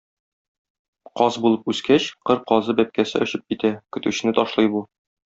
Каз булып үскәч, кыр казы бәбкәсе очып китә, көтүчене ташлый бу.